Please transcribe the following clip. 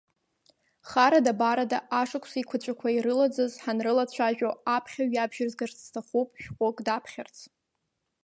Харада-барада ашықәс еиқәаҵәақәа ирылаӡыз ҳанрылацәажәо, аԥхьаҩ иабжьазгарц сҭахуп шәҟәык даԥхьарц.